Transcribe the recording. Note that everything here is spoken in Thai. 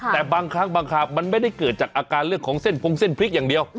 แต่บางครั้งบางคราบมันไม่ได้เกิดจากอาการเรื่องของเส้นพงเส้นพริกอย่างเดียว